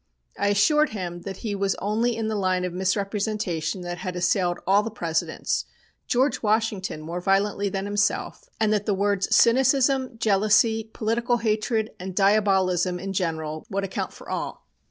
I assured him that he was only in the line of misrepresentation that had assailed all the Presidents, George Washington more violently than himself, and that the words cynicism, jealousy, political hatred, and diabolism in general would account for all.